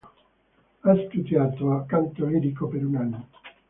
Ha studiato canto lirico per un anno.